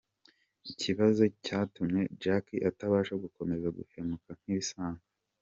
kibazo cyatumye Jackie atabasha gukomeza guhumeka nkibisanzwe.